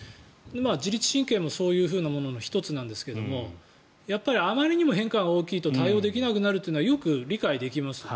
自律神経もそういうものの１つなんですけどあまりにも変化が大きいと対応できなくなるというのはよく理解できます。